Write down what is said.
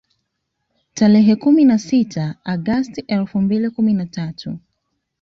Tarehe kumi na sita mwezi Agosti elfu mbili na tatu